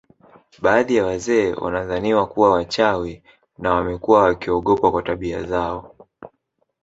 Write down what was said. Baadhi ya wazee wanadhaniwa kuwa wachawi na wamekuwa wakiogopwa kwa tabia zao